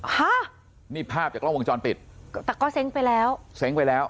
ฮะนี่ภาพจากกล้องวงจรปิดแต่ก็เซ้งไปแล้วเซ้งไปแล้ว